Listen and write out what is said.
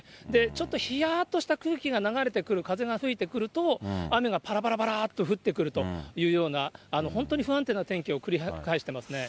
ちょっとひやっとした空気が流れてくる、風が吹いてくると、雨がぱらぱらぱらっと降ってくるというような、本当に不安定な天気を繰り返してますね。